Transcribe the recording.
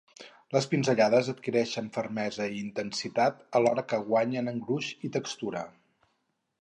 Les pinzellades adquireixen fermesa i intensitat alhora que guanyen en gruix i textura.